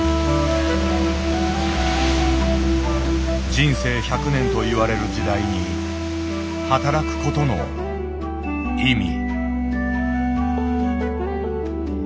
人生１００年といわれる時代に働くことの意味。